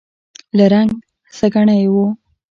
له رنګ سکڼۍ و.